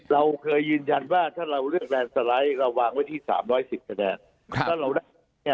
เราเคยยืนยันว่าถ้าเราเลือกแลนด์สไลด์เราวางไว้ที่๓๑๐คะแนน